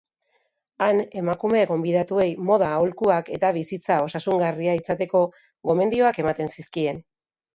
Han, emakume gonbidatuei moda aholkuak eta bizitza osasungarria izateko gomendioak ematen zizkien.